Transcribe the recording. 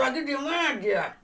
lagi diam aja